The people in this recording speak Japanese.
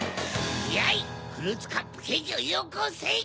やいフルーツカップケーキをよこせ！